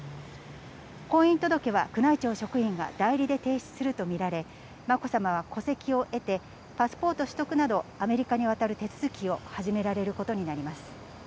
婚姻届は宮内庁職員が代理で提出すると見られ、まこさまは戸籍を得て、パスポート取得など、アメリカに渡る手続きを始められることになります。